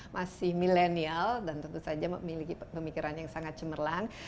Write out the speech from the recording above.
masih milenial dan tentu saja memiliki pemikiran yang sangat cemerlang